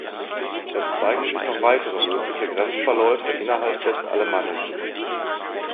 Es zeigen sich noch weitere mögliche Grenzverläufe innerhalb des Alemannischen.